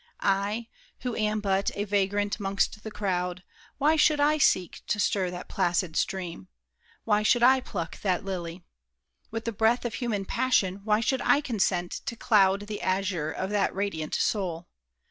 I, who am but a vagrant 'mongst the crowd, Why should I seek to stir that placid stream? Why should I pluck that lily? With the breath Of human passion, why should I consent To cloud the azure of that radiant soul?